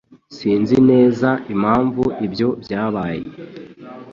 Sinzi neza impamvu ibyo byabaye.